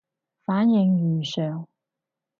反應如上